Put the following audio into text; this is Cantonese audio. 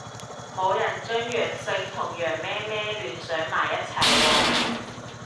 冇人將陽性同羊咩咩聯想埋一齊喎